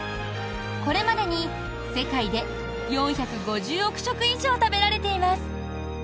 これまでに世界で４５０億食以上食べられています。